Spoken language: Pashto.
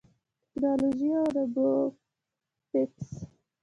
ټیکنالوژي او روبوټکس